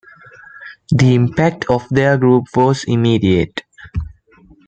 The impact of their group was immediate.